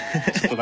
何？